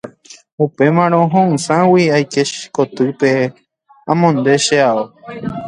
Upémarõ ho'ysãgui aike kotýpe amonde che ao.